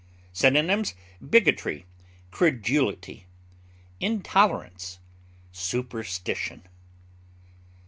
Synonyms: bigotry, credulity, intolerance, superstition.